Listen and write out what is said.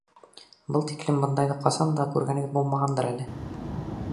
Быға тиклем бындайҙы бер ҡасан да күргәнегеҙ булмағандыр әле!